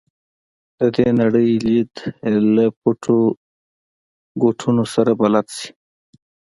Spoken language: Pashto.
د دې نړۍ لید له پټو ګوټونو سره بلد شي.